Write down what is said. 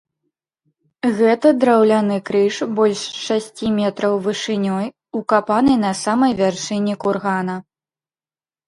Гэта драўляны крыж, больш шасці метраў вышынёй, укапаны на самай вяршыні кургана.